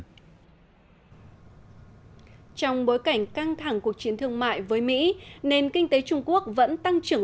trong bối cảnh căng thẳng cuộc chiến thương mại với mỹ nền kinh tế trung quốc vẫn tăng trưởng